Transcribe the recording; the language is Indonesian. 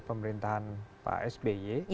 pemerintahan pak sby